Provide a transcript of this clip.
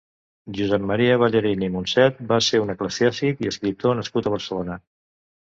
Josep Maria Ballarín i Monset va ser un eclesiàstic i escriptor nascut a Barcelona.